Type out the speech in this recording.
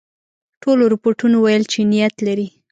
ټولو رپوټونو ویل چې نیت لري.